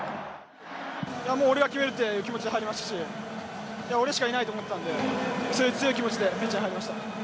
俺が決めるって気持ちで入りましたし俺しかいないと思ったのでそういう強い気持ちでピッチに入りました。